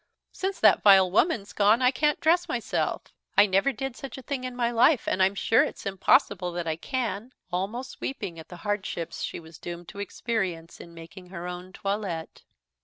Since that vile woman's gone I can't dress myself. I never did such a thing in my life, and I am sure it's impossible that I can," almost weeping at the hardships she was doomed to experience in making her own toilet.